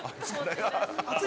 ◆熱い！